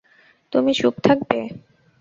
তুমি চুপ থাকবে?